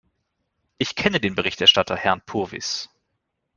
Ich kenne den Berichterstatter Herrn Purvis.